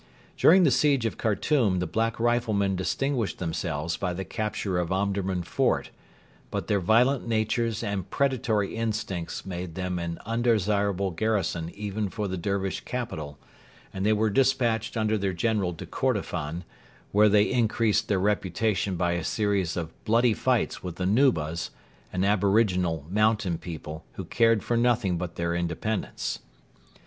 During the siege of Khartoum the black riflemen distinguished themselves by the capture of Omdurman fort, but their violent natures and predatory instincts made them an undesirable garrison even for the Dervish capital, and they were despatched under their general to Kordofan, where they increased their reputation by a series of bloody fights with the Nubas, an aboriginal mountain people who cared for nothing but their independence.